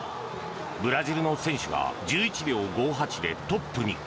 ブラジルの選手が１１秒５８でトップに。